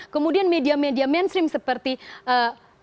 kemudian media media mainstream seperti ee